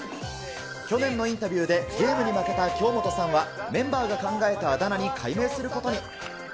去年のインタビューでゲームに負けた京本さんは、メンバーが考えたあだ名に改名することに。